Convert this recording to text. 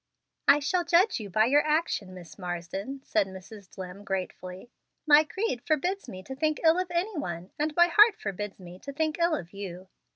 "I shall judge you by your action, Miss Marsden," said Mrs. Dlimm, gratefully. "My creed forbids me to think ill of any one, and my heart forbids me to think ill of you.